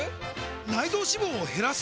内臓脂肪を減らす！？